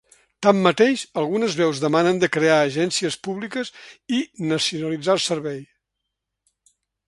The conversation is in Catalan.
Tanmateix, algunes veus demanen de crear agències públiques i nacionalitzar el servei.